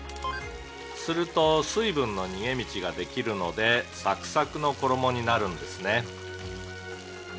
「すると水分の逃げ道ができるのでサクサクの衣になるんですね」